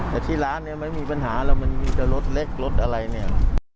แต่ที่ร้านเนี่ยไม่มีปัญหาหรอกมันมีแต่รถเล็กรถอะไรเนี่ย